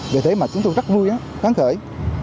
vì thế mà chúng tôi rất vui khán khởi